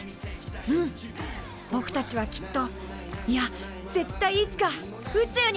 うんぼくたちはきっといや絶対いつか宇宙に。